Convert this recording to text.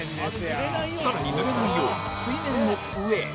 更にぬれないよう水面の上へ。